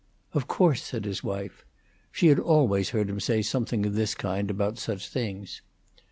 "Of course," said his wife. She had always heard him say something of this kind about such things.